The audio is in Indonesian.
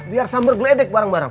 biar sambar gledek bareng bareng